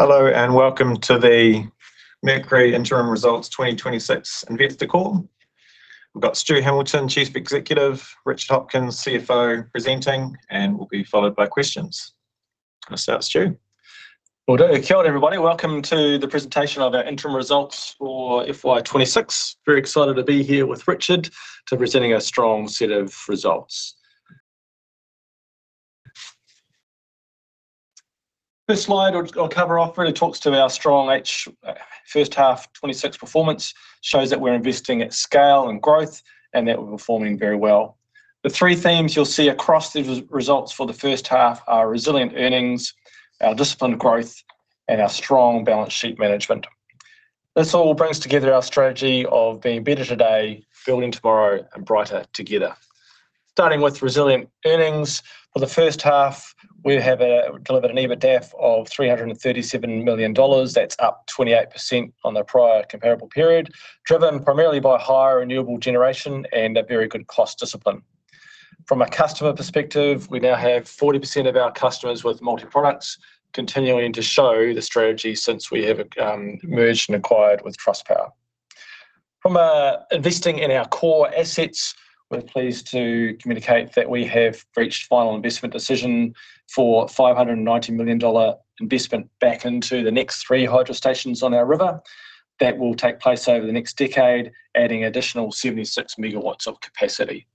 Hello, and welcome to the Mercury Interim Results 2026 Investor Call. We've got Stew Hamilton, Chief Executive, Richard Hopkins, CFO, presenting, and will be followed by questions. Start, Stew. Well, kia ora, everybody. Welcome to the presentation of our interim results for FY 2026. Very excited to be here with Richard to presenting a strong set of results. This slide, which I'll cover off, really talks to our strong H- first half 2026 performance. Shows that we're investing at scale and growth, and that we're performing very well. The three themes you'll see across the results for the first half are resilient earnings, our disciplined growth, and our strong balance sheet management. This all brings together our strategy of being better today, building tomorrow, and brighter together. Starting with resilient earnings. For the first half, we have delivered an EBITDAF of 337 million dollars. That's up 28% on the prior comparable period, driven primarily by higher renewable generation and a very good cost discipline. From a customer perspective, we now have 40% of our customers with multi-products, continuing to show the strategy since we have merged and acquired with Trustpower. From investing in our core assets, we're pleased to communicate that we have reached final investment decision for 590 million dollar investment back into the next 3 hydro stations on our river. That will take place over the next decade, adding additional 76MW of capacity.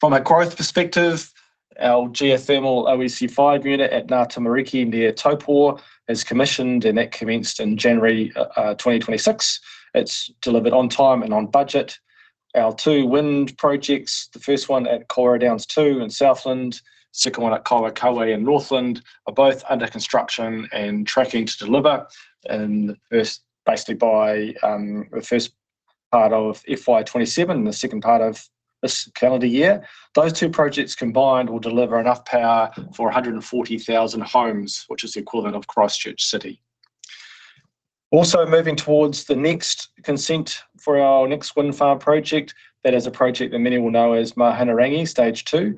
From a growth perspective, our geothermal OEC5 unit at Ngātamariki, near Taupō, is commissioned, and that commenced in January 2026. It's delivered on time and on budget. Our two wind projects, the first one at Corriedale Two in Southland, second one at Kaiwaikawe, are both under construction and tracking to deliver, and first, basically by, the first part of FY 2027, the second part of this calendar year. Those two projects combined will deliver enough power for 140,000 homes, which is the equivalent of Christchurch City. Moving towards the next consent for our next wind farm project. That is a project that many will know as Mahinerangi Stage Two.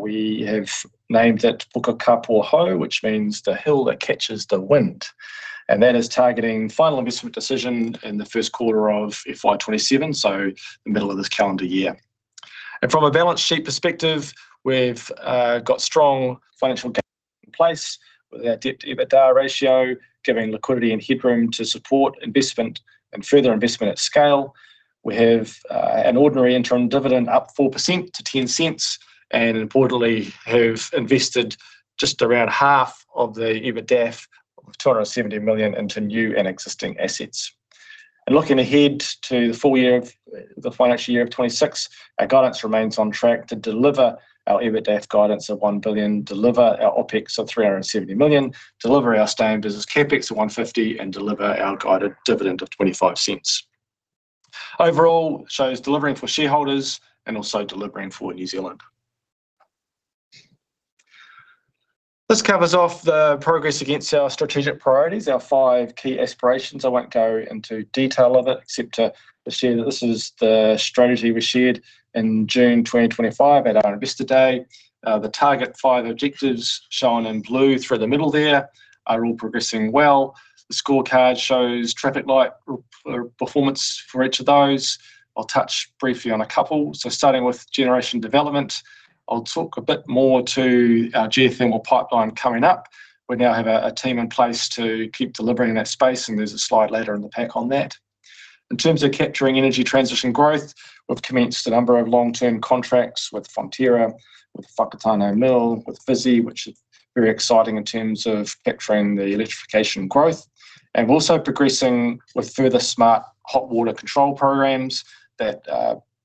We have named it Puketoi, which means the hill that catches the wind, and that is targeting final investment decision in the first quarter of FY 2027, so the middle of this calendar year. From a balance sheet perspective, we've got strong financial in place with our debt to EBITDA ratio, giving liquidity and headroom to support investment and further investment at scale. We have an ordinary interim dividend up 4% to 0.10, and importantly, have invested just around half of the EBITDAF, 270 million, into new and existing assets. Looking ahead to the full financial year of 2026, our guidance remains on track to deliver our EBITDAF guidance of 1 billion, deliver our OpEx of 370 million, deliver our sustained business CapEx of 150 million, and deliver our guided dividend of 0.25. Overall, shows delivering for shareholders and also delivering for New Zealand. This covers off the progress against our strategic priorities, our five key aspirations. I won't go into detail of it except to just share that this is the strategy we shared in June 2025 at our Investor Day. The target 5 objectives, shown in blue through the middle there, are all progressing well. The scorecard shows traffic light, performance for each of those. I'll touch briefly on a couple. Starting with generation development, I'll talk a bit more to our geothermal pipeline coming up. We now have a, a team in place to keep delivering in that space, and there's a slide later in the pack on that. In terms of capturing energy transition growth, we've commenced a number of long-term contracts with Fonterra, with Whakatane Mill, with Fizzy, which is very exciting in terms of capturing the electrification growth. We're also progressing with further smart hot water control programs that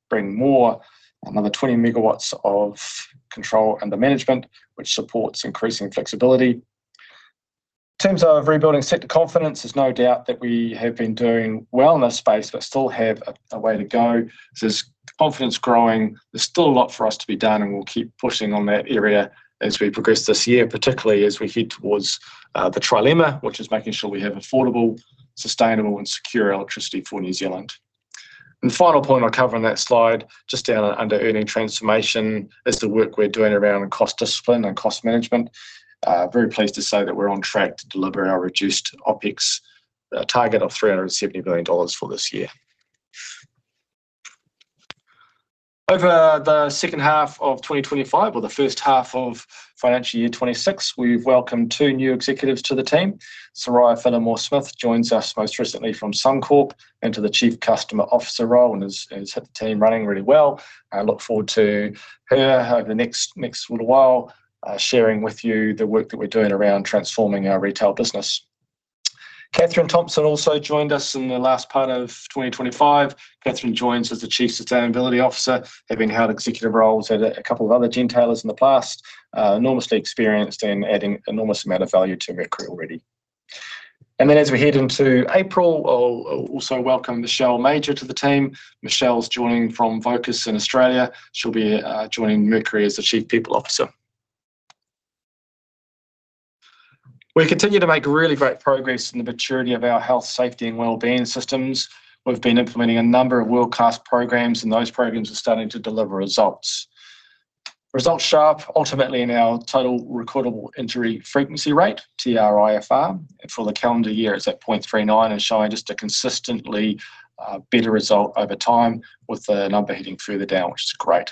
bring more, another 20MW of control under management, which supports increasing flexibility. In terms of rebuilding sector confidence, there's no doubt that we have been doing well in this space but still have a way to go. There's confidence growing. There's still a lot for us to be done, and we'll keep pushing on that area as we progress this year, particularly as we head towards the trilemma, which is making sure we have affordable, sustainable, and secure electricity for New Zealand. The final point I'll cover on that slide, just down under Earning Transformation, is the work we're doing around cost discipline and cost management. Very pleased to say that we're on track to deliver our reduced OpEx target of 370 million dollars for this year. Over the second half of 2025 or the first half of financial year 2026, we've welcomed two new executives to the team. Soraya Peke-Mason joins us most recently from Suncorp into the Chief Customer Officer role and has had the team running really well. I look forward to her over the next little while, sharing with you the work that we're doing around transforming our retail business. Kathryn Thompson also joined us in the last part of 2025. Kathryn joins as the Chief Sustainability Officer, having held executive roles at a couple of other gentailers in the past. Enormously experienced and adding enormous amount of value to Mercury already. Then, as we head into April, I'll also welcome Michelle Major to the team. Michelle's joining from Vocus in Australia. She'll be joining Mercury as the Chief People Officer. We continue to make really great progress in the maturity of our health, safety, and wellbeing systems. We've been implementing a number of world-class programs, and those programs are starting to deliver results. Results show up ultimately in our total recordable injury frequency rate, TRIFR, and for the calendar year, it's at 0.39 and showing just a consistently better result over time, with the number heading further down, which is great.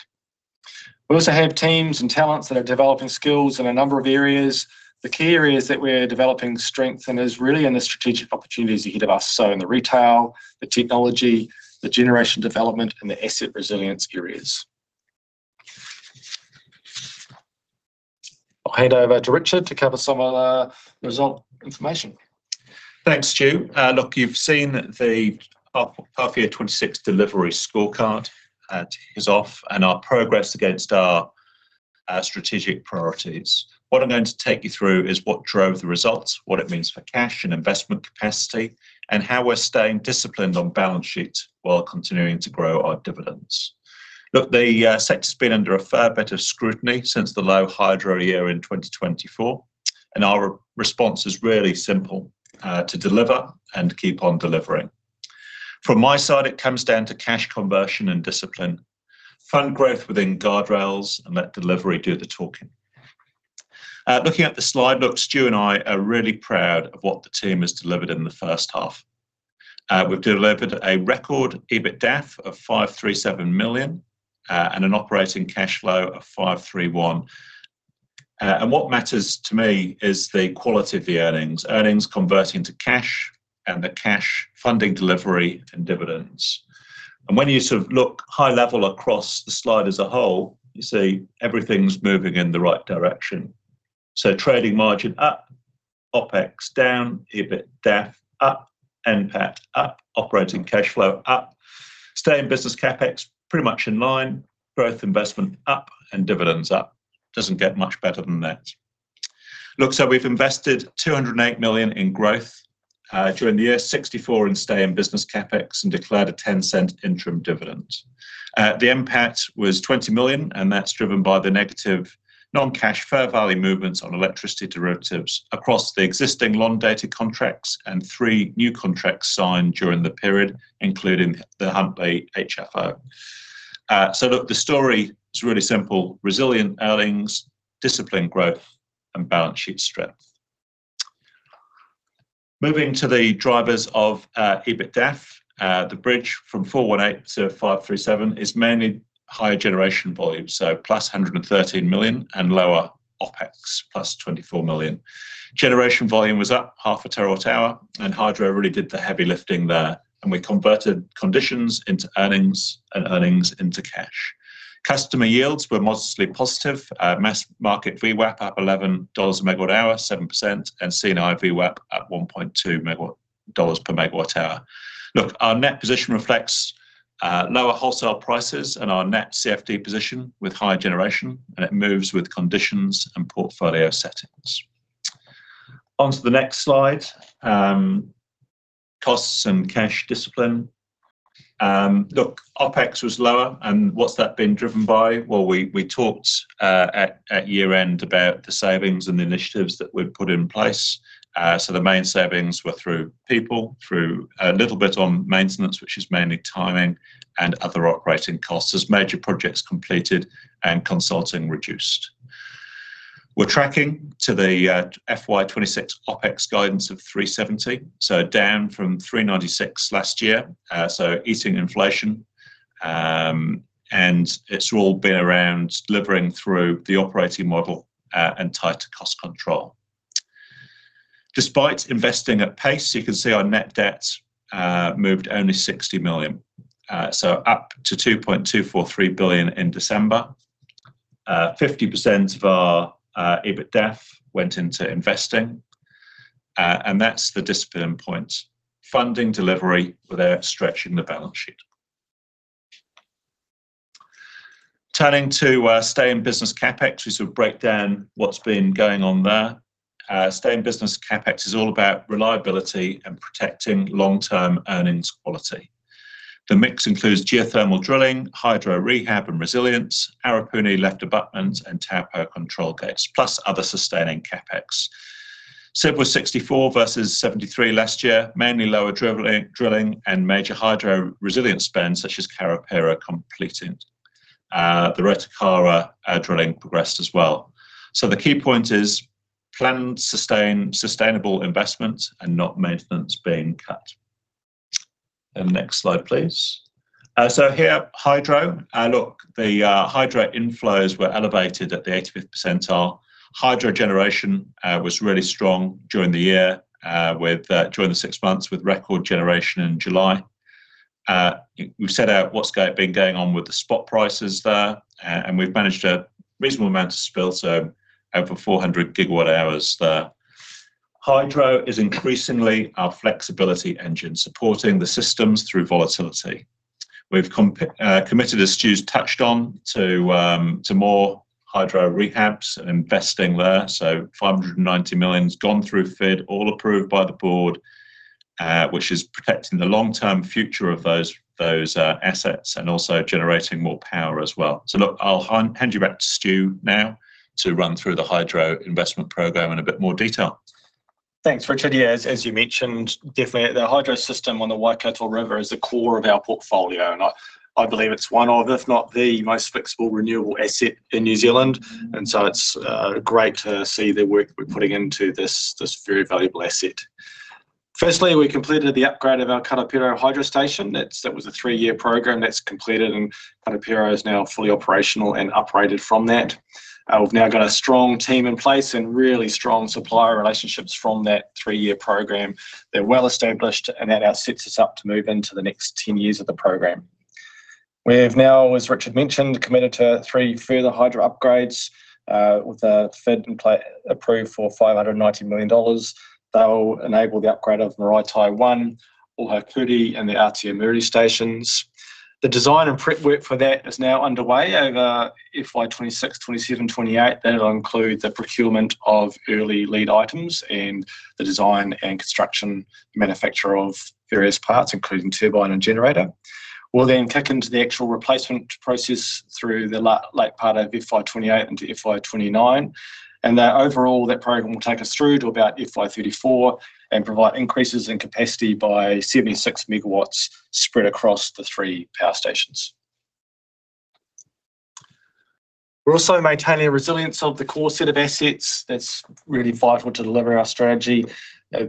We also have teams and talents that are developing skills in a number of areas. The key areas that we're developing strength in is really in the strategic opportunities ahead of us, so in the retail, the technology, the generation development, and the asset resilience areas. I'll hand over to Richard to cover some of our result information. Thanks, Stew. Look, you've seen the half, half year 26 delivery scorecard, ticks off and our progress against our, our strategic priorities. What I'm going to take you through is what drove the results, what it means for cash and investment capacity, and how we're staying disciplined on balance sheet while continuing to grow our dividends. Look, the sector's been under a fair bit of scrutiny since the low hydro year in 2024. Our response is really simple, to deliver and keep on delivering. From my side, it comes down to cash conversion and discipline, fund growth within guardrails. Let delivery do the talking. Looking at the slide, look, Stew and I are really proud of what the team has delivered in the first half. We've delivered a record EBITDA of 537 million and an operating cash flow of 531. What matters to me is the quality of the earnings, earnings converting to cash and the cash funding delivery and dividends. When you sort of look high level across the slide as a whole, you see everything's moving in the right direction. Trading margin up, OpEx down, EBITDA up, NPAT up, operating cash flow up, stay in business CapEx pretty much in line, growth investment up, and dividends up. Doesn't get much better than that. We've invested 208 million in growth during the year, 64 in stay in business CapEx, and declared a 0.10 interim dividend. The NPAT was 20 million, that's driven by the negative non-cash fair value movements on electricity derivatives across the existing long-dated contracts and three new contracts signed during the period, including the Huntly HFO. Look, the story is really simple: resilient earnings, disciplined growth, and balance sheet strength. Moving to the drivers of EBITDA, the bridge from 418 million to 537 million is mainly higher generation volume, +113 million, lower OpEx, +24 million. Generation volume was up 0.5 terawatt-hour, hydro really did the heavy lifting there, and we converted conditions into earnings and earnings into cash. Customer yields were modestly positive. Mass market VWAP up 11 dollars a megawatt hour, 7%, CNI VWAP at 1.2 dollars per megawatt hour. Look, our net position reflects, lower wholesale prices and our net CFD position with high generation, and it moves with conditions and portfolio settings. On to the next slide, costs and cash discipline. Look, OpEx was lower, and what's that been driven by? Well, we, we talked at year-end about the savings and the initiatives that we've put in place. The main savings were through people, through a little bit on maintenance, which is mainly timing and other operating costs, as major projects completed and consulting reduced. We're tracking to the FY 2026 OpEx guidance of 370, down from 396 last year, easing inflation, and it's all been around delivering through the operating model and tighter cost control. Despite investing at pace, you can see our net debts moved only 60 million, so up to 2.243 billion in December. 50% of our EBITDA went into investing, and that's the discipline point, funding delivery without stretching the balance sheet. Turning to stay in business CapEx, we sort of break down what's been going on there. Stay in business CapEx is all about reliability and protecting long-term earnings quality. The mix includes geothermal drilling, hydro rehab and resilience, Arapuni left abutment and Taupo control gates, plus other sustaining CapEx. It was 64 versus 73 last year, mainly lower drilling, drilling, and major hydro resilience spend, such as Karāpiro completed. The Rotokawa drilling progressed as well. The key point is planned, sustained, sustainable investment and not maintenance being cut. Next slide, please. Look, the hydro inflows were elevated at the 80th percentile. Hydro generation was really strong during the year, during the 6 months, with record generation in July. We've set out what's been going on with the spot prices there, and we've managed a reasonable amount of spill, so over 400 gigawatt hours there. Hydro is increasingly our flexibility engine, supporting the systems through volatility. We've committed, as Stew's touched on, to more hydro rehabs and investing there. 590 million has gone through FID, all approved by the board, which is protecting the long-term future of those assets and also generating more power as well. look, I'll hand, hand you back to Stew now to run through the hydro investment program in a bit more detail. Thanks, Richard. Yeah, as, as you mentioned, definitely the hydro system on the Waikato River is the core of our portfolio, and I believe it's one of, if not the most flexible renewable asset in New Zealand. So it's great to see the work we're putting into this, this very valuable asset. Firstly, we completed the upgrade of our Karapiro Hydro Station. That's, that was a 3-year program that's completed, and Karapiro is now fully operational and uprated from that. We've now got a strong team in place and really strong supplier relationships from that 3-year program. They're well established, and that now sets us up to move into the next 10 years of the program. We have now, as Richard mentioned, committed to three further hydro upgrades, with the third in play approved for $590 million. They'll enable the upgrade of Maraetai One, Ōhākurī, and the Ātiamuri stations. The design and prep work for that is now underway over FY 2026, FY 2027, FY 2028. That'll include the procurement of early lead items and the design and construction, manufacture of various parts, including turbine and generator. We'll kick into the actual replacement process through the late part of FY 2028 into FY 2029, and that overall, that program will take us through to about FY 2034 and provide increases in capacity by 76MW spread across the three power stations. We're also maintaining resilience of the core set of assets. That's really vital to delivering our strategy.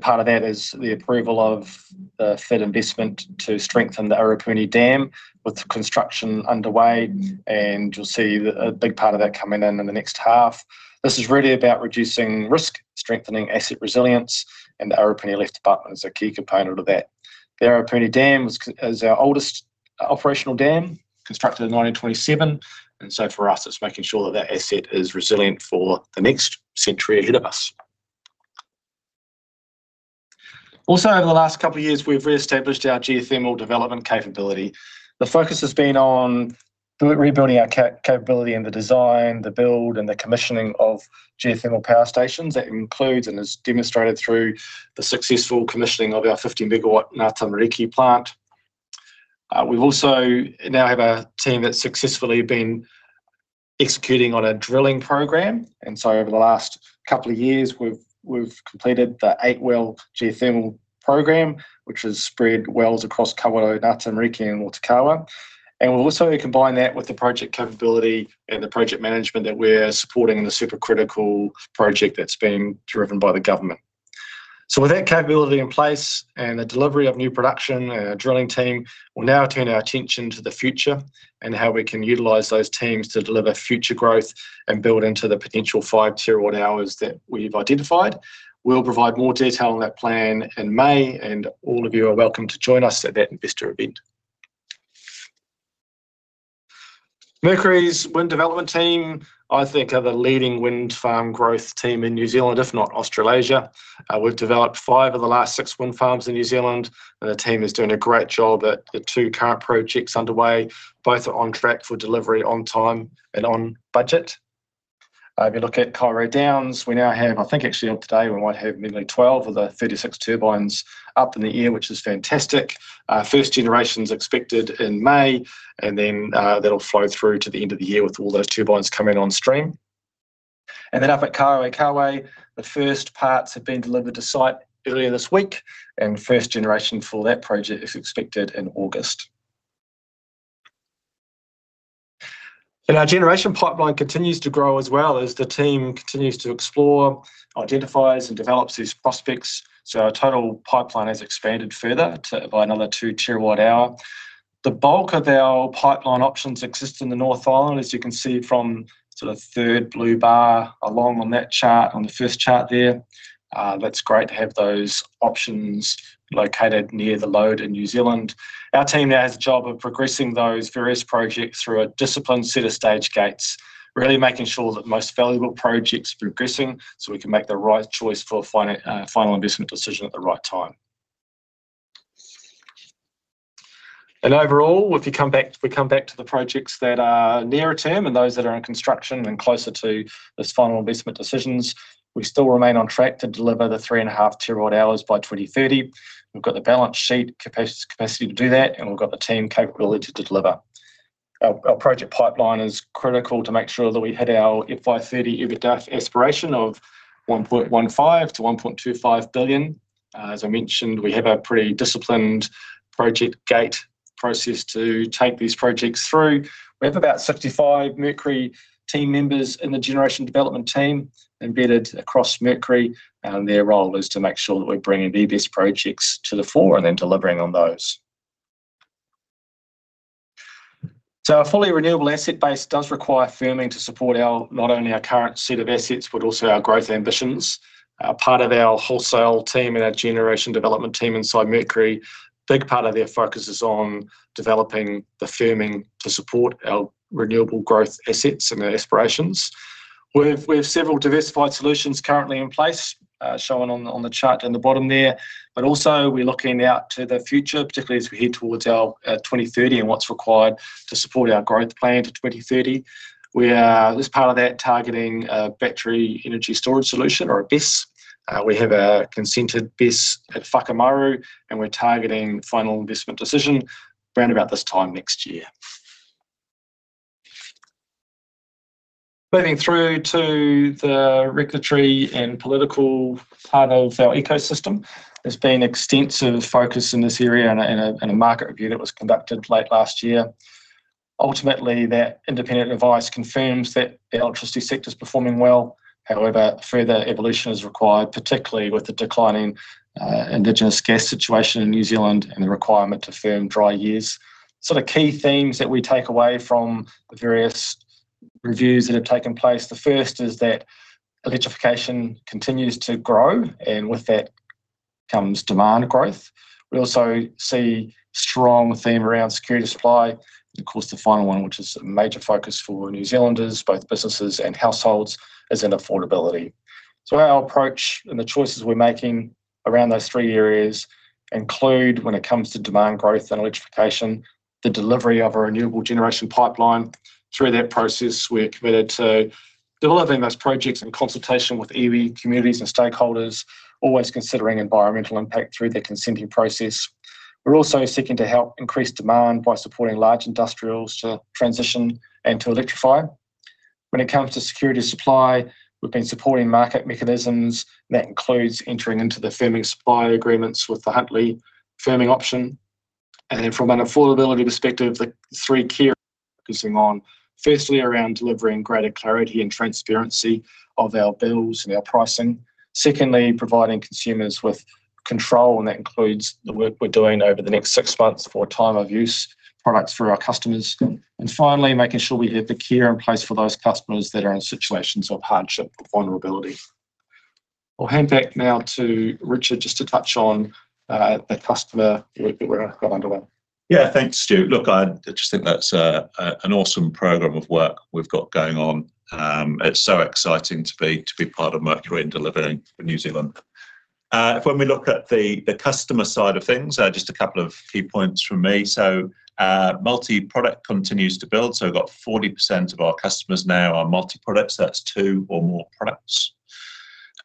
Part of that is the approval of the FID investment to strengthen the Arapuni Dam, with construction underway, and you'll see a big part of that coming in in the next half. This is really about reducing risk, strengthening asset resilience, and the Arapuni left abutment is a key component of that. The Arapuni Dam is our oldest operational dam, constructed in 1927, and so for us, it's making sure that that asset is resilient for the next century ahead of us. Also, over the last couple of years, we've re-established our geothermal development capability. The focus has been on rebuilding our capability and the design, the build, and the commissioning of geothermal power stations. That includes and is demonstrated through the successful commissioning of our 50MW Ngātamariki plant. We've also now have a team that's successfully been executing on a drilling program, and so over the last couple of years, we've completed the 8-well geothermal program, which has spread wells across Kawerau, Ngātamariki, and Rotokawa. We'll also combine that with the project capability and the project management that we're supporting in the supercritical geothermal project that's being driven by the government. With that capability in place and the delivery of new production and a drilling team, we'll now turn our attention to the future and how we can utilize those teams to deliver future growth and build into the potential five TWh that we've identified. We'll provide more detail on that plan in May, and all of you are welcome to join us at that investor event. Mercury's wind development team, I think, are the leading wind farm growth team in New Zealand, if not Australasia. We've developed five of the last six wind farms in New Zealand, and the team is doing a great job at the two current projects underway. Both are on track for delivery on time and on budget. If you look at Kaiwera Downs, we now have, I think actually today, we might have nearly 12 of the 36 turbines up in the air, which is fantastic. First generation's expected in May, and then that'll flow through to the end of the year with all those turbines coming on stream. Up at Kaiwaikawe, the first parts have been delivered to site earlier this week, and first generation for that project is expected in August. Our generation pipeline continues to grow as well as the team continues to explore, identifies, and develops these prospects, so our total pipeline has expanded further to, by another 2 terawatt hour. The bulk of our pipeline options exist in the North Island, as you can see from sort of third blue bar along on that chart, on the first chart there. That's great to have those options located near the load in New Zealand. Our team now has the job of progressing those various projects through a disciplined set of stage gates, really making sure that the most valuable projects are progressing, so we can make the right choice for a final investment decision at the right time. Overall, if you come back, we come back to the projects that are nearer term and those that are in construction and closer to those final investment decisions, we still remain on track to deliver the 3.5 terawatt hours by 2030. We've got the balance sheet capacity to do that, we've got the team capability to deliver. Our project pipeline is critical to make sure that we hit our FY 2030 EBITDA aspiration of 1.15 billion-1.25 billion. As I mentioned, we have a pretty disciplined project gate process to take these projects through. We have about 65 Mercury team members in the generation development team embedded across Mercury, their role is to make sure that we're bringing the best projects to the fore and then delivering on those. Our fully renewable asset base does require firming to support not only our current set of assets, but also our growth ambitions. Part of our wholesale team and our generation development team inside Mercury, big part of their focus is on developing the firming to support our renewable growth assets and their aspirations. We've several diversified solutions currently in place, shown on the chart in the bottom there, but also we're looking out to the future, particularly as we head towards our 2030 and what's required to support our growth plan to 2030. We are, as part of that, targeting a battery energy storage solution or a BESS. We have a consented BESS at Whakamaru, and we're targeting final investment decision round about this time next year. Moving through to the regulatory and political part of our ecosystem, there's been extensive focus in this area and a market review that was conducted late last year. Ultimately, that independent advice confirms that the electricity sector is performing well. However, further evolution is required, particularly with the declining indigenous gas situation in New Zealand and the requirement to firm dry years. The key themes that we take away from the various reviews that have taken place, the first is that electrification continues to grow, and with that comes demand growth. We also see strong theme around security supply, and of course, the final one, which is a major focus for New Zealanders, both businesses and households, is in affordability. Our approach and the choices we're making around those three areas include, when it comes to demand growth and electrification, the delivery of our renewable generation pipeline. Through that process, we're committed to developing those projects in consultation with iwi, communities, and stakeholders, always considering environmental impact through the consenting process. We're also seeking to help increase demand by supporting large industrials to transition and to electrify. When it comes to security of supply, we've been supporting market mechanisms, and that includes entering into the firming supply agreements with the Huntly Firming Option. Then from an affordability perspective, the three key focusing on: firstly, around delivering greater clarity and transparency of our bills and our pricing; secondly, providing consumers with control, and that includes the work we're doing over the next six months for Time of Use products for our customers; and finally, making sure we have the care in place for those customers that are in situations of hardship or vulnerability. I'll hand back now to Richard, just to touch on the customer work that we've got underway. Yeah, thanks, Stew. Look, I just think that's an awesome program of work we've got going on. It's so exciting to be part of Mercury in delivering for New Zealand. When we look at the customer side of things, just a couple of few points from me. Multi-product continues to build, so we've got 40% of our customers now are multi-product. That's two or more products,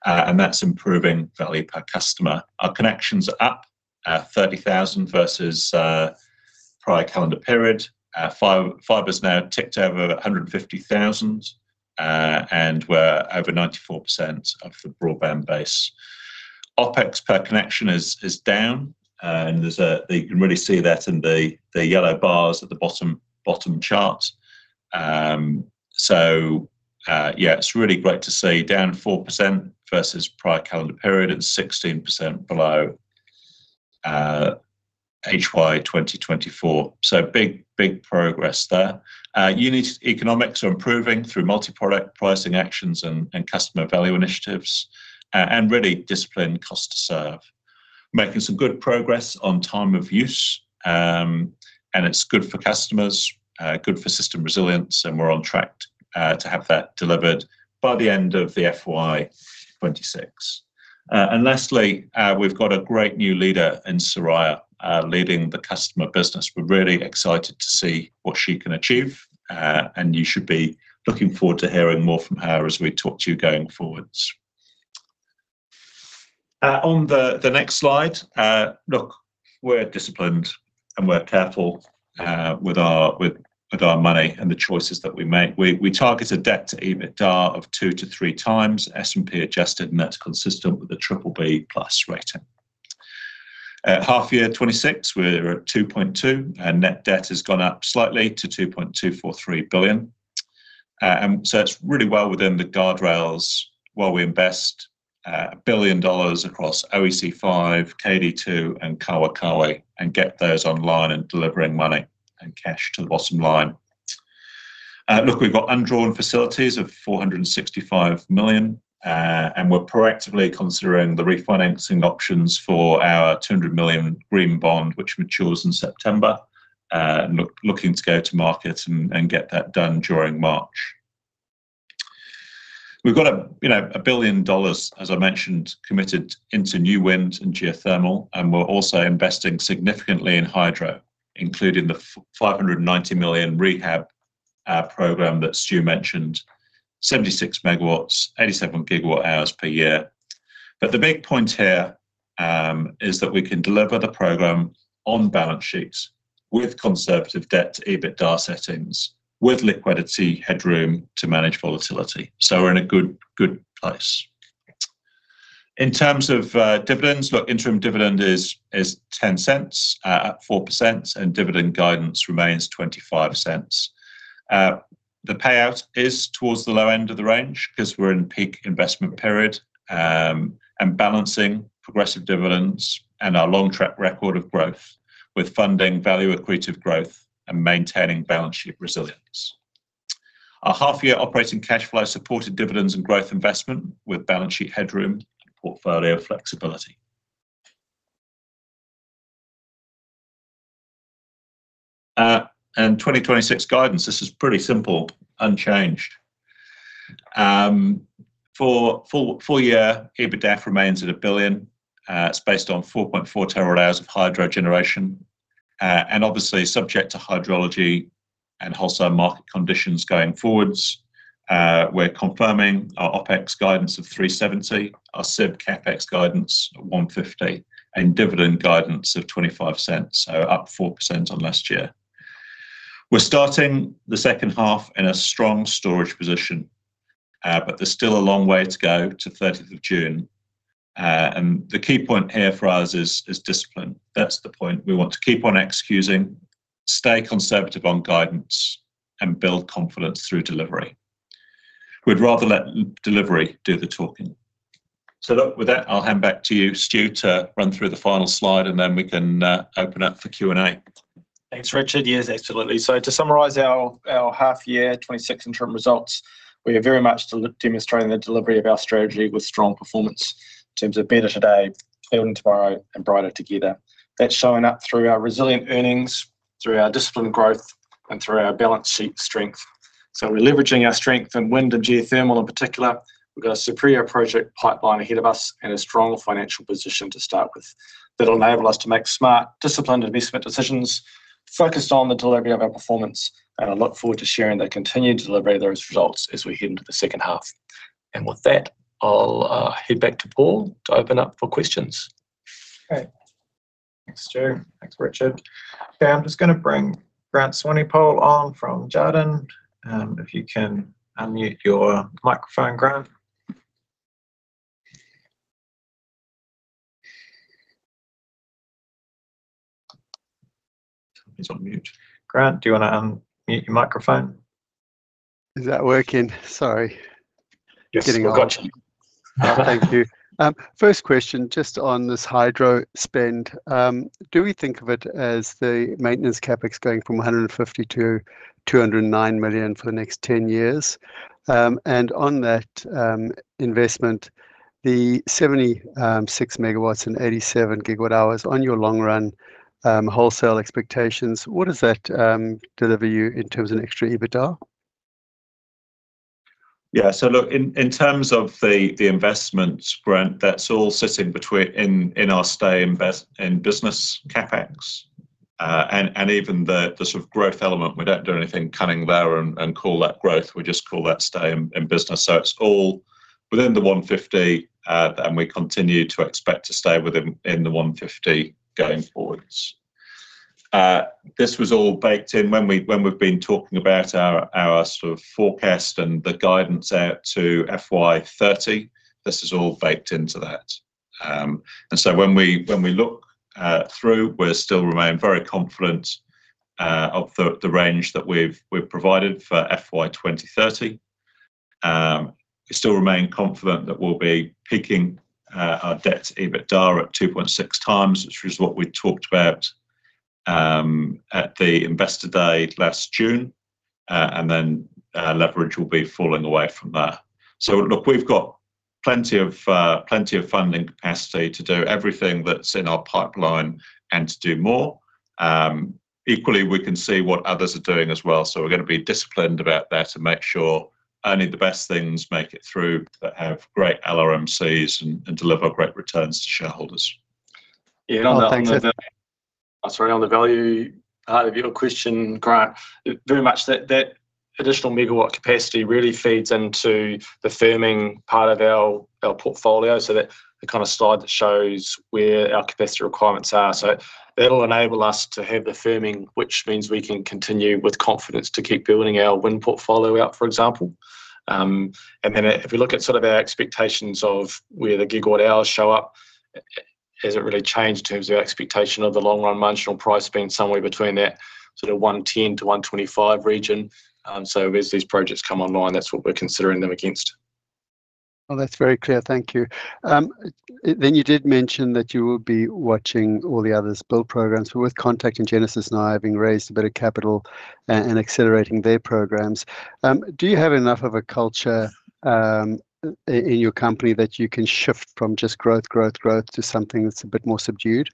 and that's improving value per customer. Our connections are up at 30,000 versus prior calendar period. Our fiber's now ticked over 150,000, and we're over 94% of the broadband base. OpEx per connection is down, and you can really see that in the yellow bars at the bottom, bottom chart. Yeah, it's really great to see down 4% versus prior calendar period and 16% below HY 2024. Big, big progress there. Unit economics are improving through multi-product pricing actions and, and customer value initiatives and really disciplined cost to serve. Making some good progress on Time of Use, and it's good for customers, good for system resilience, and we're on track to have that delivered by the end of the FY 2026. Lastly, we've got a great new leader in Soraya leading the customer business. We're really excited to see what she can achieve, and you should be looking forward to hearing more from her as we talk to you going forwards. On the, the next slide, look, we're disciplined and we're careful, with our, with, with our money and the choices that we make. We, we target a debt to EBITDA of 2-3 times S&P adjusted, and that's consistent with the BBB+ rating. At half year 2026, we're at 2.2, and net debt has gone up slightly to 2.243 billion. It's really well within the guardrails, while we invest 1 billion dollars across OEC5, KD Two, and Kaiwaikawe, and get those online and delivering money and cash to the bottom line. Look, we've got undrawn facilities of 465 million, and we're proactively considering the refinancing options for our 200 million Green Bond, which matures in September, and looking to go to market and get that done during March. We've got, you know, 1 billion dollars, as I mentioned, committed into new wind and geothermal, we're also investing significantly in hydro, including the 590 million rehab program that Stew mentioned, 76MW, 87GW hours per year. The big point here is that we can deliver the program on balance sheets with conservative debt to EBITDA settings, with liquidity headroom to manage volatility. We're in a good, good place. In terms of dividends, look, interim dividend is 0.10, at 4%, dividend guidance remains 0.25. The payout is towards the low end of the range 'cause we're in peak investment period, and balancing progressive dividends and our long-track record of growth with funding value-accretive growth and maintaining balance sheet resilience. Our half-year operating cash flow supported dividends and growth investment with balance sheet headroom and portfolio flexibility. 2026 guidance, this is pretty simple, unchanged. Full year EBITDA remains at 1 billion. It's based on 4.4 terawatt hours of hydro generation, obviously subject to hydrology and wholesale market conditions going forward. We're confirming our OpEx guidance of 370 million, our SIB CapEx guidance of 150 million, and dividend guidance of 0.25, up 4% on last year. We're starting the second half in a strong storage position, there's still a long way to go to 30th of June. The key point here for us is, is discipline. That's the point. We want to keep on executing, stay conservative on guidance, and build confidence through delivery. We'd rather let delivery do the talking. Look, with that, I'll hand back to you, Stu, to run through the final slide, and then we can open up for Q&A. Thanks, Richard. Yes, absolutely. To summarize our half year 26 interim results, we are very much demonstrating the delivery of our strategy with strong performance in terms of better today, building tomorrow, and brighter together. That's showing up through our resilient earnings, through our disciplined growth, and through our balance sheet strength. We're leveraging our strength in wind and geothermal, in particular. We've got a superior project pipeline ahead of us and a strong financial position to start with. That'll enable us to make smart, disciplined investment decisions focused on the delivery of our performance. I look forward to sharing the continued delivery of those results as we head into the second half. With that, I'll head back to Paul to open up for questions. Okay. Thanks, Stew. Thanks, Richard. Okay, I'm just gonna bring Grant Swanepoel on from Jarden. If you can unmute your microphone, Grant. He's on mute. Grant, do you wanna unmute your microphone? Is that working? Sorry. Yes, we've got you. Thank you. First question, just on this hydro spend, do we think of it as the maintenance CapEx going from 150-209 million for the next 10 years? On that, investment, the 76 MW and 87 GWh on your long run, wholesale expectations, what does that, deliver you in terms of extra EBITDA? In terms of the investment grant, that's all sitting between in our stay invest in business CapEx. Even the sort of growth element, we don't do anything cunning there and call that growth, we just call that stay in business. It's all within 150, and we continue to expect to stay within 150 going forwards. This was all baked in when we, when we've been talking about our sort of forecast and the guidance out to FY 2030. This is all baked into that. When we look through, we're still remain very confident of the range that we've provided for FY 2030. We still remain confident that we'll be peaking our debt to EBITDA at 2.6x, which is what we talked about at the Investor Day last June, and then leverage will be falling away from that. Look, we've got plenty of plenty of funding capacity to do everything that's in our pipeline and to do more. Equally, we can see what others are doing as well, so we're gonna be disciplined about that and make sure only the best things make it through, that have great LRMCs and, and deliver great returns to shareholders. Yeah. Thanks. Sorry, on the value of your question, Grant, very much that, that additional megawatt capacity really feeds into the firming part of our portfolio, so that the kinda slide that shows where our capacity requirements are. That'll enable us to have the firming, which means we can continue with confidence to keep building our wind portfolio out, for example. Then, if we look at sort of our expectations of where the gigawatt hours show up, it hasn't really changed in terms of our expectation of the long run marginal price being somewhere between that sort of 110-125 region. As these projects come online, that's what we're considering them against. Well, that's very clear. Thank you. You did mention that you will be watching all the other build programs. With Contact and Genesis now having raised a bit of capital and accelerating their programs, do you have enough of a culture in your company that you can shift from just growth, growth, growth, to something that's a bit more subdued?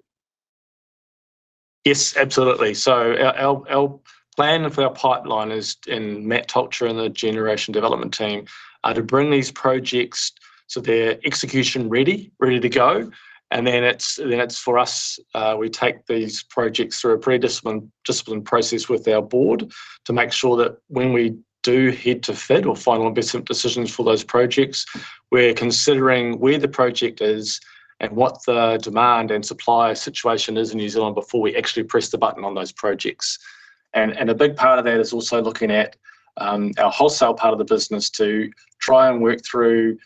Yes, absolutely. Our plan for our pipeline is, and Matt Tolcher and the generation development team, to bring these projects, so they're execution ready, ready to go, and then it's, then it's for us, we take these projects through a pretty discipline process with our board to make sure that when we do head to FID or final investment decisions for those projects, we're considering where the project is and what the demand and supply situation is in New Zealand before we actually press the button on those projects. A big part of that is also looking at our wholesale part of the business to try and work through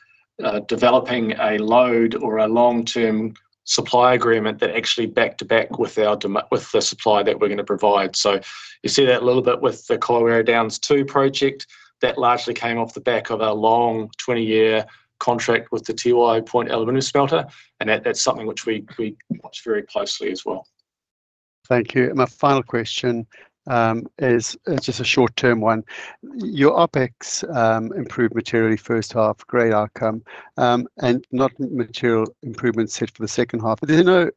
developing a load or a long-term supply agreement that actually back-to-back with the supply that we're gonna provide. You see that a little bit with the Kaiwera Downs 2 project. That largely came off the back of a long 20-year contract with the Tiwai Point Aluminium Smelter, and that's something which we watch very closely as well. Thank you. My final question is just a short-term one. Your OpEx improved materially first half, great outcome, and not material improvements set for the second half. Is there no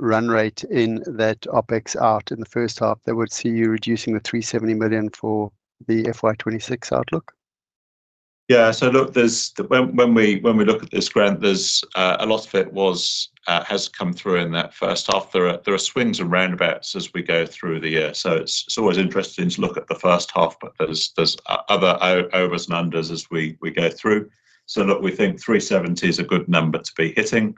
run rate in that OpEx out in the first half that would see you reducing the 370 million for the FY 2026 outlook? Look, when we look at this, Grant, there's a lot of it was has come through in that first half. There are swings and roundabouts as we go through the year, so it's always interesting to look at the first half, but there's other overs and unders as we go through. Look, we think 370 million is a good number to be hitting.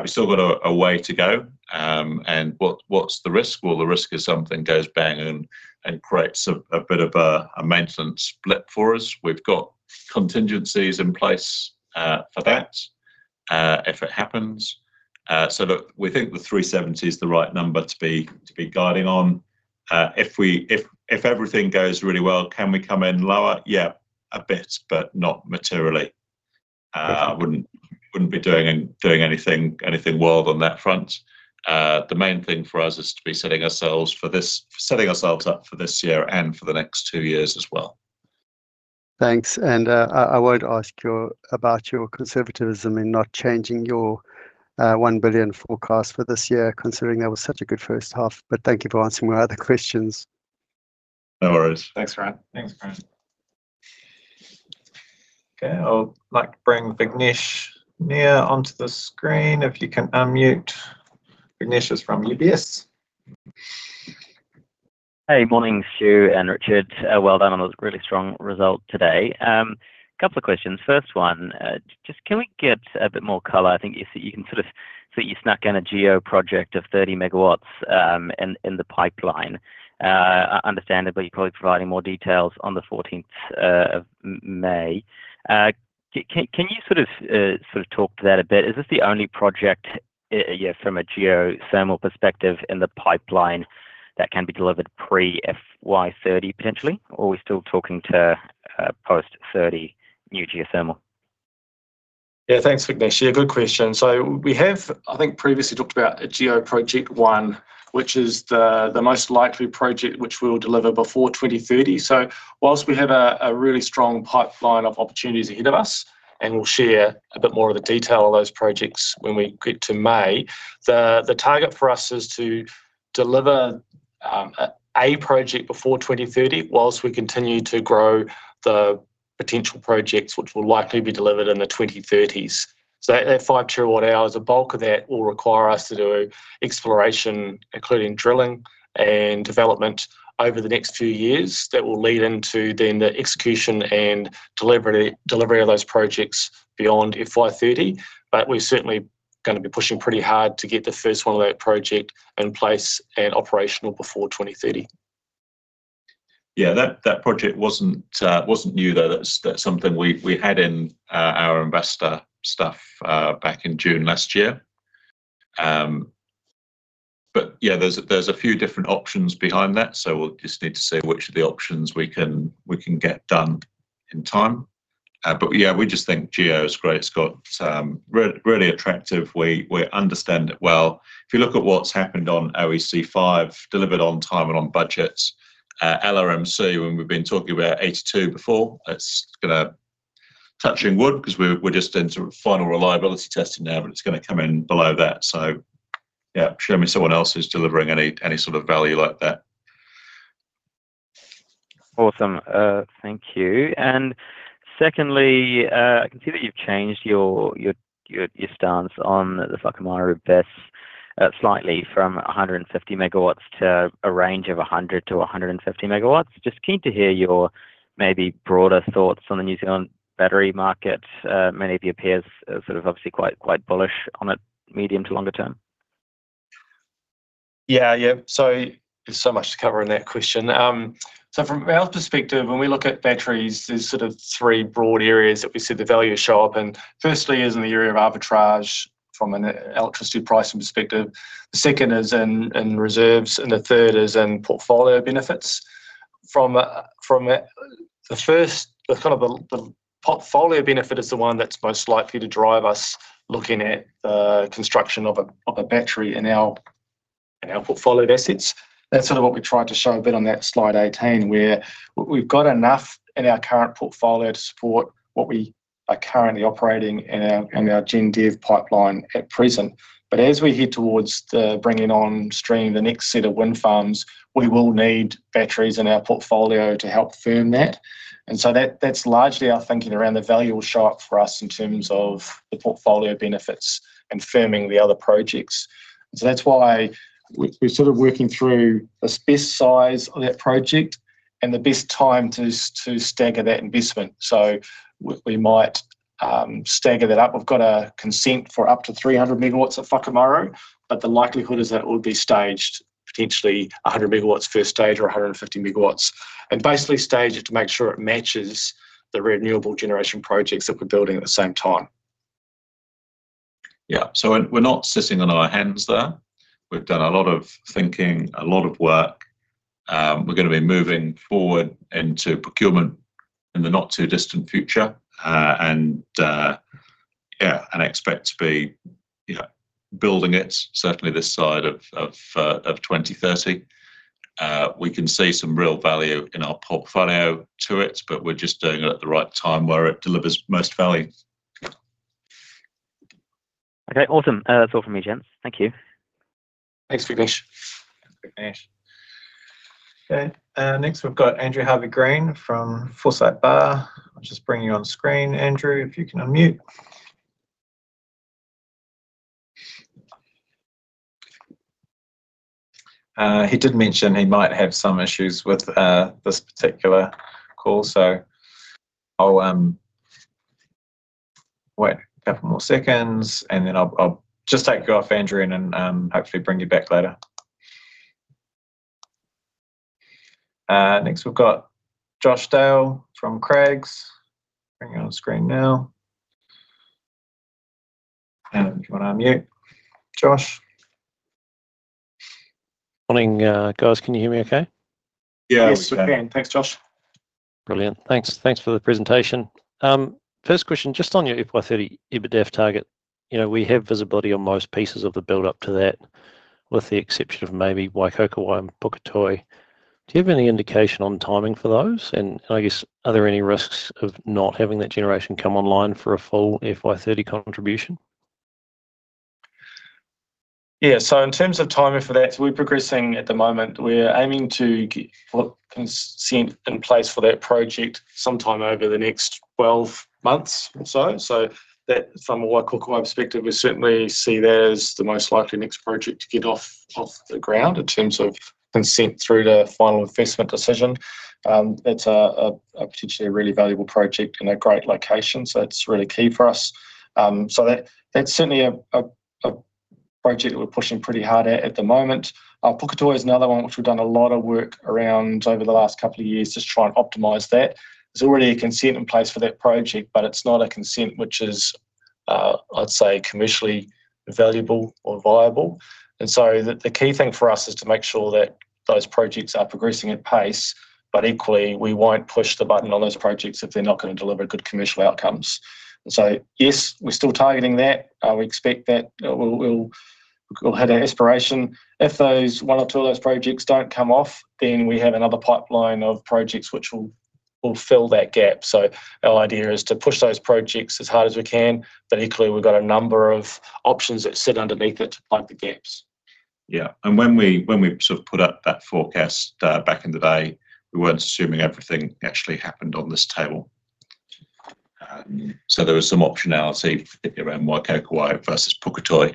We've still got a way to go, and what's the risk? Well, the risk is something goes bang and creates a bit of a maintenance blip for us. We've got contingencies in place for that if it happens. Look, we think the 370 million is the right number to be guiding on. If everything goes really well, can we come in lower? Yeah, a bit, but not materially. Wouldn't be doing anything wild on that front. The main thing for us is to be setting ourselves up for this year and for the next two years as well. Thanks, I won't ask about your conservatism in not changing your 1 billion forecast for this year, considering that was such a good first half. Thank you for answering my other questions. No worries. Thanks, Grant. Thanks, Grant. Okay, I would like to bring Vignesh Nair onto the screen, if you can unmute. Vignesh is from UBS. Hey, morning, Stew and Richard. Well done on a really strong result today. Couple of questions. First one, just can we get a bit more color? I think you said you can sort of, so you snuck in a geothermal project of 30MW in the pipeline. Understandably, you're probably providing more details on the 14th of May. Can you sort of talk to that a bit? Is this the only project, yeah, from a geothermal perspective in the pipeline that can be delivered pre-FY 2030, potentially? Or are we still talking to post 2030 new geothermal? Yeah, thanks, Vignesh. Yeah, good question. We have, I think, previously talked about a geo project one, which is the most likely project which we'll deliver before 2030. Whilst we have a really strong pipeline of opportunities ahead of us, and we'll share a bit more of the detail of those projects when we get to May, the target for us is to deliver a project before 2030, whilst we continue to grow the potential projects, which will likely be delivered in the 2030s. That 5 TWh, the bulk of that will require us to do exploration, including drilling and development over the next few years. That will lead into then the execution and delivery of those projects beyond FY 2030. We're certainly gonna be pushing pretty hard to get the first one of that project in place and operational before 2030. Yeah, that, that project wasn't, wasn't new, though. That's, that's something we, we had in our investor stuff, back in June last year. Yeah, there's a, there's a few different options behind that, so we'll just need to see which of the options we can, we can get done in time. Yeah, we just think geo is great. It's got really attractive... We, we understand it well. If you look at what's happened on OEC5, delivered on time and on budgets. LRMC, when we've been talking about 82 before, it's gonna, touching wood, 'cause we're, we're just doing some final reliability testing now, but it's gonna come in below that. Yeah, show me someone else who's delivering any, any sort of value like that. Awesome. Thank you. Secondly, I can see that you've changed your stance on the Whakamaru BESS slightly from 150MW to a range of 100MW-150MW Just keen to hear your maybe broader thoughts on the New Zealand battery market. Many of your peers are sort of obviously quite, quite bullish on it, medium to longer term. Yeah, yeah. There's so much to cover in that question. From our perspective, when we look at batteries, there's sort of three broad areas that we see the value show up. Firstly, is in the area of arbitrage from an electricity pricing perspective, the second is in reserves, and the third is in portfolio benefits. From the first, the kind of the portfolio benefit is the one that's most likely to drive us looking at the construction of a battery in our portfolio of assets. That's sort of what we tried to show a bit on that slide 18, where we've got enough in our current portfolio to support what we are currently operating in our gen dev pipeline at present. As we head towards the bringing on stream the next set of wind farms, we will need batteries in our portfolio to help firm that. That, that's largely our thinking around the value will show up for us in terms of the portfolio benefits and firming the other projects. That's why we, we're sort of working through the best size of that project and the best time to stagger that investment. We might stagger that up. We've got a consent for up to 300MW of Whakamaru, but the likelihood is that it will be staged, potentially 100MW first stage or 150MW. Basically stage it to make sure it matches the renewable generation projects that we're building at the same time. We're, we're not sitting on our hands there. We've done a lot of thinking, a lot of work. We're gonna be moving forward into procurement in the not-too-distant future. Expect to be, you know, building it certainly this side of 2030. We can see some real value in our portfolio to it, but we're just doing it at the right time where it delivers most value. Okay, awesome. That's all from me, gents. Thank you. Thanks, Vignesh. Thanks, Vignesh. Okay, next, we've got Andrew Harvey-Green from Forsyth Barr. I'll just bring you on screen, Andrew, if you can unmute. He did mention he might have some issues with this particular call, so I'll wait a couple more seconds, and then I'll just take you off, Andrew, and then hopefully bring you back later. Next, we've got Josh Dale from Craigs. Bring you on screen now. If you want to unmute, Josh. Morning, guys. Can you hear me okay? Yeah, we can. Yes, we can. Thanks, Josh. Brilliant. Thanks, thanks for the presentation. First question, just on your FY 2030 EBITDAF target, you know, we have visibility on most pieces of the build up to that, with the exception of maybe Waikokowai and Puketoi. Do you have any indication on timing for those? I guess, are there any risks of not having that generation come online for a full FY 2030 contribution? Yeah, in terms of timing for that, we're progressing at the moment. We're aiming to get consent in place for that project sometime over the next 12 months or so. That from a Waikokowai perspective, we certainly see that as the most likely next project to get off, off the ground in terms of consent through to final investment decision. It's a potentially really valuable project and a great location, so it's really key for us. That's certainly a project that we're pushing pretty hard at, at the moment. Puketoi is another one which we've done a lot of work around over the last couple of years just to try and optimize that. There's already a consent in place for that project, but it's not a consent which is, I'd say, commercially valuable or viable. The key thing for us is to make sure that those projects are progressing at pace, but equally, we won't push the button on those projects if they're not going to deliver good commercial outcomes. Yes, we're still targeting that. We expect that we'll, we'll, we'll have an aspiration. If those, one or two of those projects don't come off, then we have another pipeline of projects which will fill that gap. Our idea is to push those projects as hard as we can, but equally, we've got a number of options that sit underneath it to plug the gaps. Yeah, when we, when we sort of put up that forecast, back in the day, we weren't assuming everything actually happened on this table. There was some optionality around Waikokowai versus Puketoi.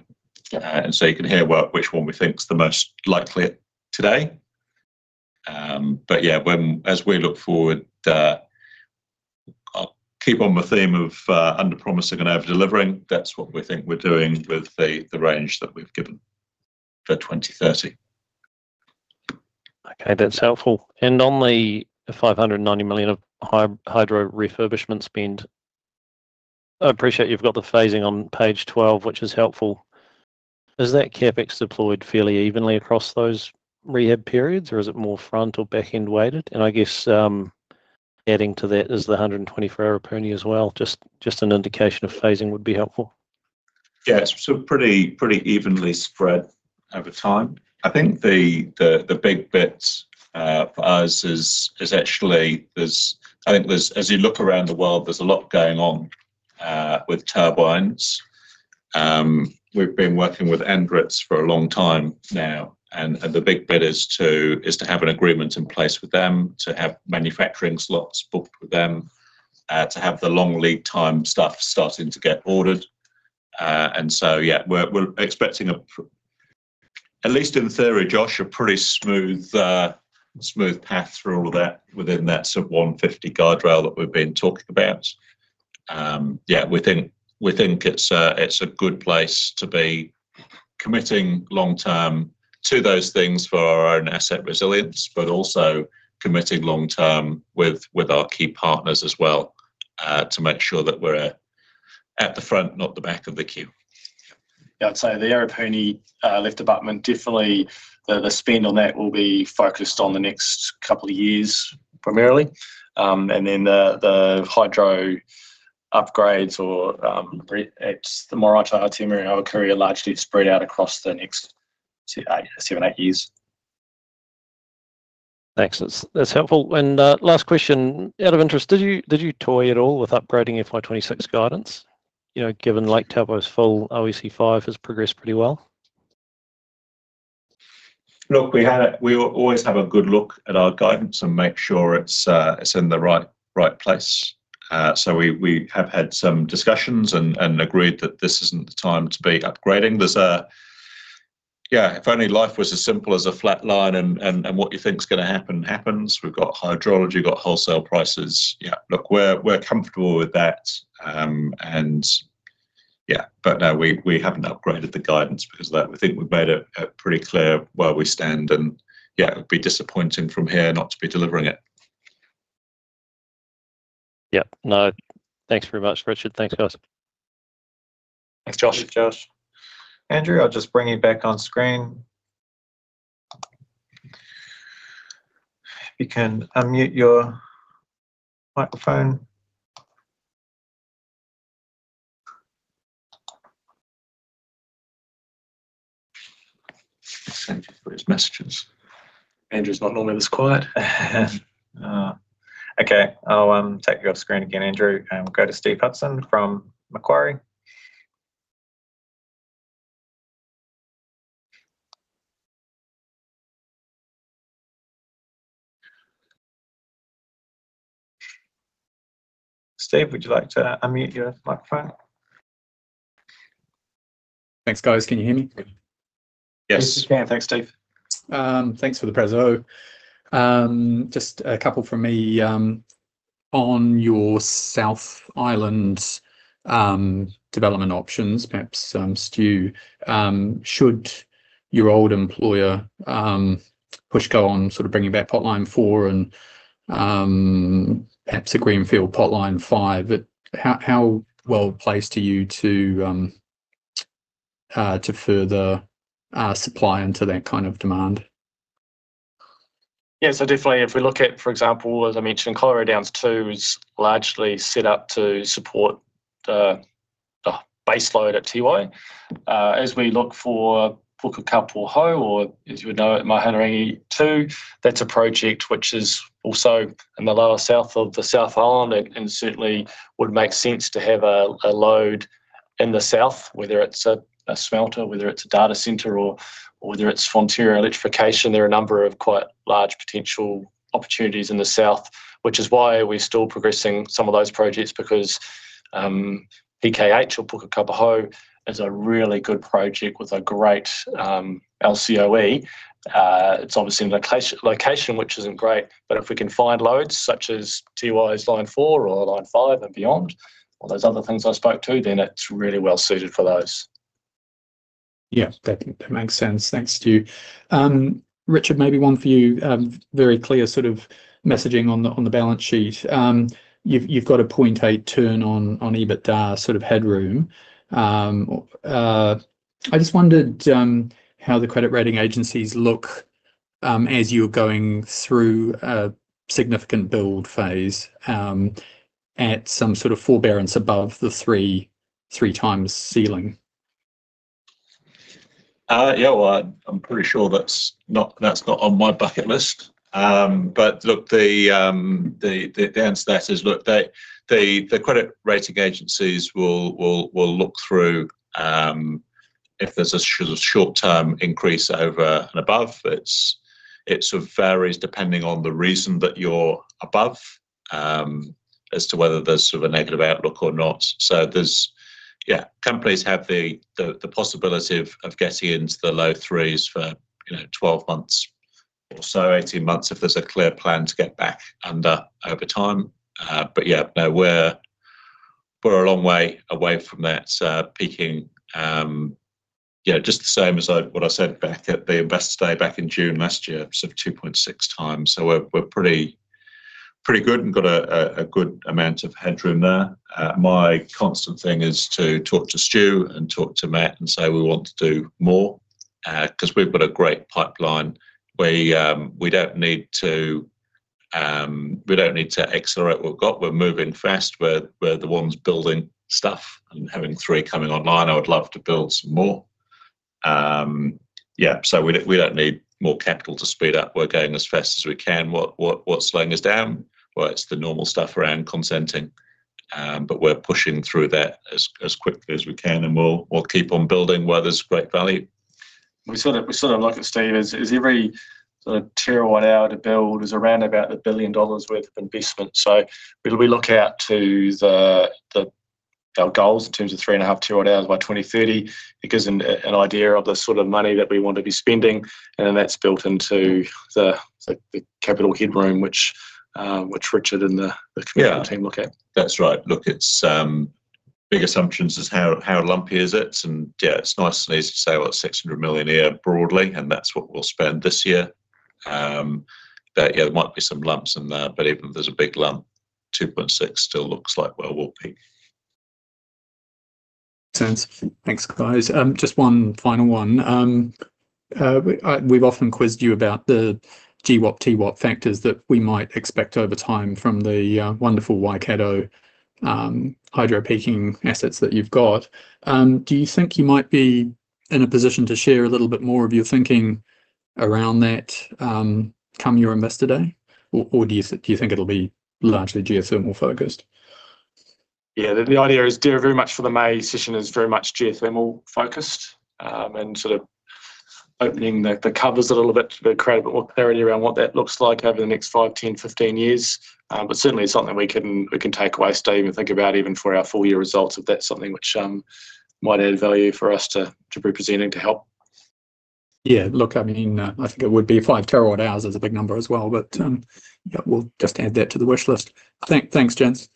Yeah. You can hear well which one we think is the most likely today. Yeah, when, as we look forward, I'll keep on the theme of under-promising and over-delivering. That's what we think we're doing with the, the range that we've given for 2030. Okay, that's helpful. On the 590 million of hydro refurbishment spend, I appreciate you've got the phasing on Page 12, which is helpful. Is that CapEx deployed fairly evenly across those rehab periods, or is it more front or back-end weighted? I guess, adding to that is the 124 Arapuni as well. Just an indication of phasing would be helpful. Pretty, pretty evenly spread over time. I think the big bits for us is actually there's I think there's, as you look around the world, there's a lot going on with turbines. We've been working with Andritz for a long time now, and the big bet is to have an agreement in place with them, to have manufacturing slots booked with them, to have the long lead time stuff starting to get ordered. So, yeah, we're expecting at least in theory, Josh, a pretty smooth smooth path through all of that within that sort of 150 guardrail that we've been talking about. We think, we think it's a good place to be committing long term to those things for our own asset resilience, but also committing long term with, with our key partners as well, to make sure that we're at, at the front, not the back of the queue. Yeah, I'd say the Arapuni left abutment, definitely the, the spend on that will be focused on the next couple of years, primarily. Then the, the hydro upgrades or, it's the Maraetai One, Ātiamuri, and Ōhākurī are largely spread out across the next 7 years-8 years. Thanks. That's, that's helpful. Last question, out of interest, did you toy at all with upgrading FY 2026 guidance, you know, given Lake Taupo's full OEC5 has progressed pretty well? Look, we had a, we always have a good look at our guidance and make sure it's in the right, right place. We have had some discussions and agreed that this isn't the time to be upgrading. There's a. Yeah, if only life was as simple as a flat line and what you think is gonna happen, happens. We've got hydrology, got wholesale prices. Yeah, look, we're comfortable with that. Yeah, but no, we haven't upgraded the guidance because of that. We think we've made it pretty clear where we stand, and yeah, it would be disappointing from here not to be delivering it. No, thanks very much, Richard. Thanks, guys. Thanks, Josh. Thanks, Josh. Andrew, I'll just bring you back on screen. You can unmute your microphone. Thank you for those messages. Andrew's not normally this quiet. Okay. I'll, take you off screen again, Andrew, and we'll go to Steve Hudson from Macquarie. Steve, would you like to unmute your microphone? Thanks, guys. Can you hear me? Yes. Yes, we can. Thanks, Steve. Thanks for the prezo. Just a couple from me, on your South Island development options, perhaps, Stu, should your old employer push go on sort of bringing back potline 4 and perhaps a greenfield potline 5? How well placed are you to further supply into that kind of demand? Definitely, if we look at, for example, as I mentioned, Kaiwera Downs two is largely set up to support the baseload at Tiwai. As we look for Puke Kapo Hau, or as we know it, Mahinerangi Stage 2, that's a project which is also in the lower south of the South Island, and certainly would make sense to have a load in the south, whether it's a smelter, whether it's a data center, or whether it's frontier electrification. There are a number of quite large potential opportunities in the south, which is why we're still progressing some of those projects, because PKH or Puke Kapo Hau is a really good project with a great LCOE. It's obviously in location, which isn't great, but if we can find loads such as Tiwai's line four or line five and beyond, all those other things I spoke to, then it's really well suited for those. Yeah, that makes sense. Thanks, Stu. Richard, maybe one for you. Very clear sort of messaging on the, on the balance sheet. You've got a 0.8 turn on, on EBITDA sort of headroom. I just wondered how the credit rating agencies look as you're going through a significant build phase at some sort of forbearance above the 3x ceiling. Yeah, well, I'm pretty sure that's not, that's not on my bucket list. Look the down stat is, look the credit rating agencies will, will, will look through, if there's a short-term increase over and above, it's, it sort of varies depending on the reason that you're above, as to whether there's sort of a negative outlook or not. There's... Yeah, companies have the possibility of, of getting into the low threes for, you know, 12 months or so, 18 months, if there's a clear plan to get back under over time. Yeah, no, we're, we're a long way away from that, peaking. Yeah, just the same as I, what I said back at the Investor Day back in June last year, sort of 2.6 times. We're, we're pretty, pretty good and got a good amount of headroom there. My constant thing is to talk to Stew and talk to Matt and say: We want to do more, because we've got a great pipeline. We, we don't need to, we don't need to accelerate what we've got. We're moving fast. We're, we're the ones building stuff and having three coming online. I would love to build some more. Yeah, so we don't, we don't need more capital to speed up. We're going as fast as we can. What, what, what's slowing us down? Well, it's the normal stuff around consenting, but we're pushing through that as, as quickly as we can, and we'll, we'll keep on building where there's great value. We sort of, we sort of look at Steve, as, as every sort of terawatt hour to build is around about 1 billion dollars worth of investment. When we look out to the our goals in terms of 3.5 terawatt hours by 2030, it gives an, an idea of the sort of money that we want to be spending, and then that's built into the, the, the capital headroom, which, which Richard and the, the- Yeah team look at. That's right. Look, it's, big assumptions is how, how lumpy is it? Yeah, it's nice and easy to say, well, 600 million a year broadly, and that's what we'll spend this year. Yeah, there might be some lumps in there, even if there's a big lump, 2.6 billion still looks like, well, we'll peak. Sense. Thanks, guys. Just one final one. We've often quizzed you about the GWAP, TWAP factors that we might expect over time from the wonderful Waikato hydro peaking assets that you've got. Do you think you might be in a position to share a little bit more of your thinking around that, come your Investor Day? Or, do you think it'll be largely geothermal focused? Yeah, the idea is very much for the May session, is very much geothermal focused, and sort of opening the covers a little bit to create a bit more clarity around what that looks like over the next 5 years, 10 years, 15 years. Certainly it's something we can, we can take away, Steve, and think about even for our full year results, if that's something which, might add value for us to be presenting, to help. Yeah, look, I mean, I think it would be 5 terawatt hours is a big number as well, but, yeah, we'll just add that to the wish list. Thanks, gents.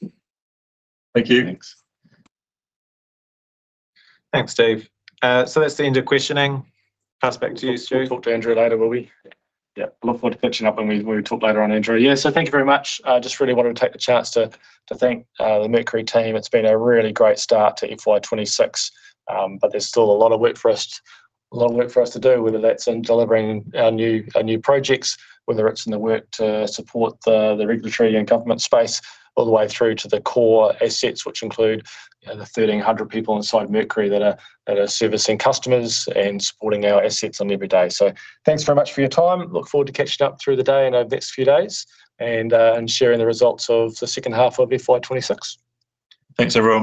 Thank you. Thanks. Thanks, Steve. That's the end of questioning. Pass back to you, Stew. We'll talk to Andrew later, will we? Yeah. Look forward to catching up when we, we talk later on, Andrew. Thank you very much. I just really wanted to take the chance to thank the Mercury team. It's been a really great start to FY 2026. There's still a lot of work for us, a lot of work for us to do, whether that's in delivering our new, our new projects, whether it's in the work to support the regulatory and government space, all the way through to the core assets, which include, you know, the 1,300 people inside Mercury that are servicing customers and supporting our assets on every day. Thanks very much for your time. Look forward to catching up through the day and over the next few days and sharing the results of the second half of FY 2026. Thanks, everyone.